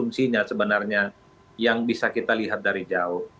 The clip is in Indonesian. asumsinya sebenarnya yang bisa kita lihat dari jauh